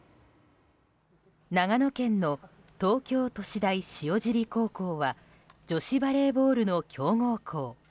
長野県の東京都市大塩尻高校は女子バレーボールの強豪校。